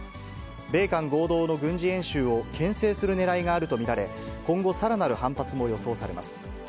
米韓合同の軍事演習をけん制するねらいがあると見られ、今後、さらなる反発も予想されます。